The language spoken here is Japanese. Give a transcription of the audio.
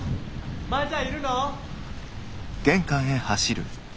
・マヤちゃんいるの？